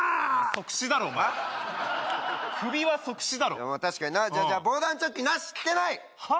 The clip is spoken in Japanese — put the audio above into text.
即死だろお前首は即死だろ確かになじゃあ防弾チョッキなし着てないはっ？